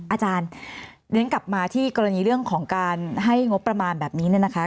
อาจารย์เรียนกลับมาที่กรณีเรื่องของการให้งบประมาณแบบนี้เนี่ยนะคะ